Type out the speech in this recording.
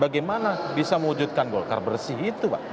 bagaimana bisa mewujudkan golkar bersih itu pak